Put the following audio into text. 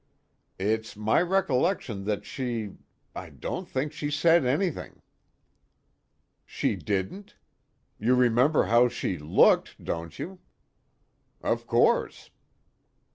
"It's my recollection that she I don't think she said anything." "She didn't? You remember how she looked, don't you?" "Of course."